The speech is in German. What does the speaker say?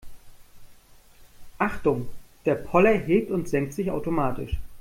Achtung, der Poller hebt und senkt sich automatisch.